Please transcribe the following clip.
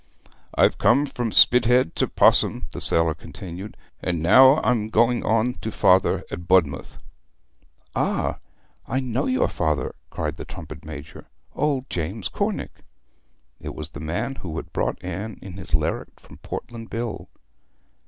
'I've come from Spithead to Pos'ham,' the sailor continued, 'and now I am going on to father at Budmouth.' 'Ah! I know your father,' cried the trumpet major, 'old James Cornick.' It was the man who had brought Anne in his lerret from Portland Bill.